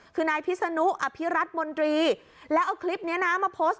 คือนายพิษนุอภิรัตมนตรีแล้วเอาคลิปนี้นะมาโพสต์